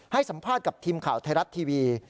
ให้สัมภาษณ์กับทีมข่าวไทยรัฐทีวี